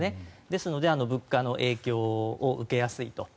ですので物価の影響を受けやすいと。